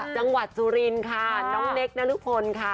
จังหวัดสุรินค่ะน้องเนคนรุพลค่ะ